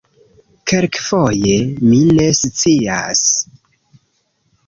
Kelkfoje... mi ne scias...